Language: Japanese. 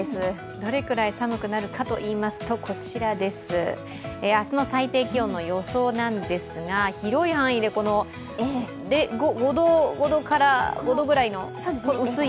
どれくらい寒くなるかといいますと、明日の最低気温の予想なんですが広い範囲で５度ぐらいの薄い。